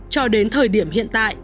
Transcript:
cho đến thời điểm hiện tại